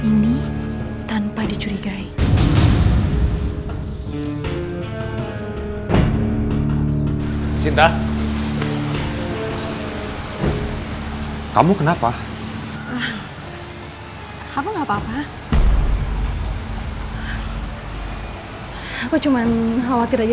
ini tanpa dicurigai sinta kamu kenapa kamu enggak papa papa hai aku cuman khawatir aja